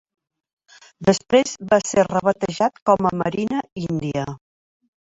Després va ser rebatejat com a Marina Índia.